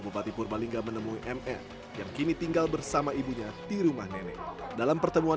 bupati purbalingga menemui mn yang kini tinggal bersama ibunya di rumah nenek dalam pertemuan